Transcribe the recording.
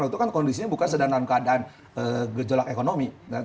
itu kan kondisinya bukan sedang dalam keadaan gejolak ekonomi